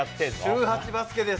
週８バスケです。